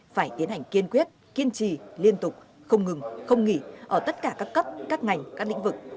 phải tiến hành kiên quyết kiên trì liên tục không ngừng không nghỉ ở tất cả các cấp các ngành các lĩnh vực